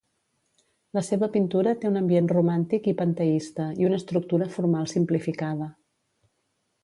La seva pintura té un ambient romàntic i panteista i una estructura formal simplificada.